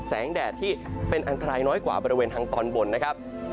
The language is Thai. แดดที่เป็นอันตรายน้อยกว่าบริเวณทางตอนบนนะครับ